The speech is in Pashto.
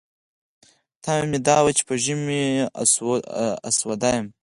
تمه مې دا وه چې په ژمي اسوده یم.